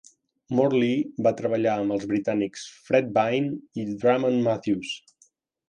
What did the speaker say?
Morley va treballar amb els britànics Fred Vine i Drummond Matthews.